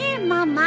ママ。